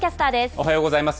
おはようございます。